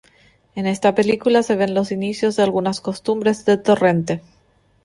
En esta película se ven los inicios de algunas costumbres de Torrente.